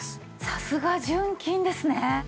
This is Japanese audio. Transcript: さすが純金ですね。